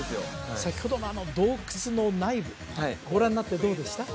先ほどのあの洞窟の内部ご覧になってどうでした？